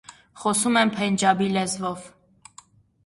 Խոսում են փենջաբի լեզվով։